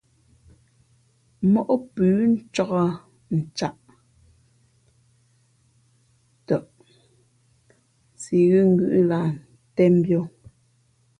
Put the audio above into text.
Móꞌ pʉ̌ ncāk ncaꞌ tα, si ghʉ̌ ngʉ̌ꞌ lah ntēn mbīᾱ.